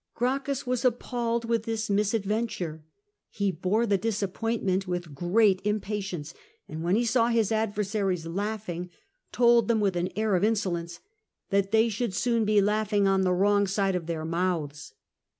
Gracchus was appalled with this misadventure. He bore the disappointment with great impatience, and when he saw his adversaries laughing, told them with an air of insolence that they should soon be laughing on the wrong side of their mouths."